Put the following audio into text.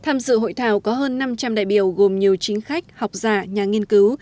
tham dự hội thảo có hơn năm trăm linh đại biểu gồm nhiều chính khách học giả nhà nghiên cứu